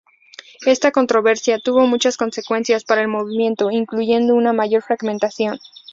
Esta controversia tuvo muchas consecuencias para el movimiento, incluyendo una mayor fragmentación.